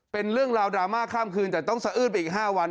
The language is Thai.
เป็นเรื่องราวดราม่าข้ามคืนแต่ต้องสะอื้นไปอีก๕วัน